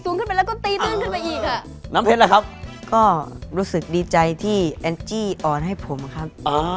ขึ้นไปแล้วก็ตีตื้นขึ้นไปอีกอ่ะน้ำเพชรล่ะครับก็รู้สึกดีใจที่แอนจี้ออนให้ผมครับ